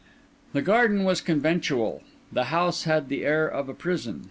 The garden was conventual, the house had the air of a prison.